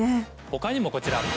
他にもこちら。